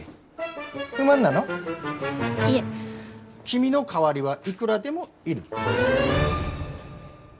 君の代わりはいくらでもいる。